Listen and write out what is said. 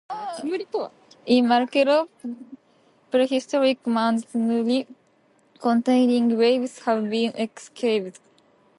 In Markelo, prehistoric mounds "tumuli", containing graves have been excavated.